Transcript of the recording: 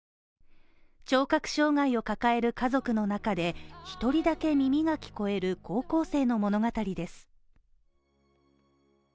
聴覚障害を抱える家族の中で一人だけ耳が聞こえる高校生の物語です。